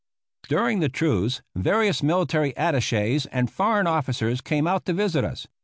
During the truce various military attaches and foreign officers came out to visit us.